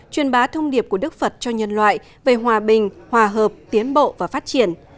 truyền bá thông điệp của đức phật cho nhân loại về hòa bình hòa hợp tiến bộ và phát triển